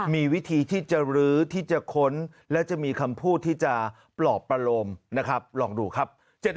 มีวิธีที่จะรื้อที่จะค้นและจะมีคำพูดที่จะปลอบประโลมนะครับลองดูครับ